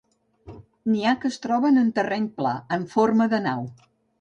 N'hi ha que es troben en terreny pla, amb forma de nau.